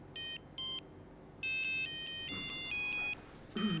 うん。